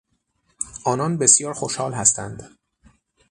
آنان بسیار خوشحال هستند.